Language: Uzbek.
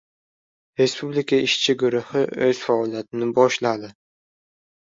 Respublika ishchi guruhi o‘z faoliyatini boshladi